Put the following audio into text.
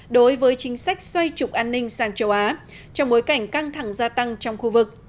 đối với chính sách xoay trục an ninh sang châu á trong bối cảnh căng thẳng gia tăng trong khu vực